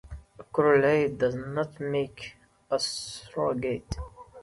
A correlate does not make a surrogate.